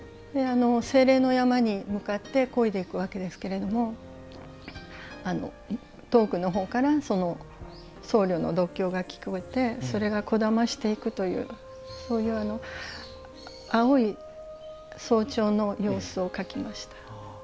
清廉な山に向かってこいでいくわけですけれども遠くのほうから僧侶の読経が聞こえてそれがこだましていくというそういう青い早朝の様子を描きました。